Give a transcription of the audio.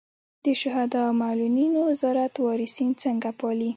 د شهدا او معلولینو وزارت وارثین څنګه پالي؟